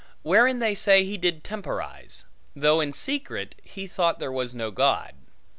Wherein they say he did temporize; though in secret, he thought there was no God.